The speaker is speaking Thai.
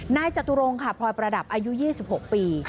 จตุรงค่ะพลอยประดับอายุ๒๖ปี